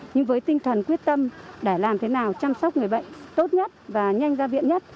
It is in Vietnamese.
nhưng với tinh thần quyết tâm để làm thế nào chăm sóc người bệnh tốt nhất và nhanh ra viện nhất